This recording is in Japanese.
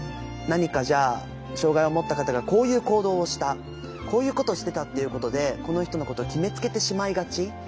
何かじゃあ障害をもった方がこういう行動をしたこういうことをしてたっていうことでこの人のことを決めつけてしまいがち。